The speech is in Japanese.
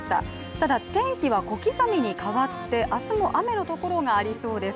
ただ、天気は小刻みに変わって明日も雨のところがありそうです。